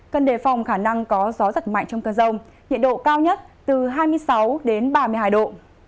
cần đề phòng khả năng có gió giật mạnh trong cơn rông nhiệt độ cao nhất từ hai mươi sáu đến ba mươi hai độ